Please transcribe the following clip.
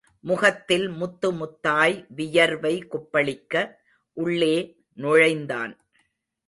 முகத்தில் முத்து முத்தாய் வியர்வை கொப்பளிக்க உள்ளே நுழைந்தான்.